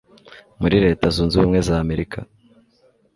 Muri Leta Zunze Ubumwe z'Amerika